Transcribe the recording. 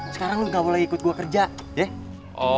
sekarang lu gak boleh ikut gue kerja deh